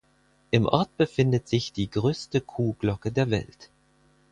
Im Ort befindet sich die größte Kuhglocke der Welt.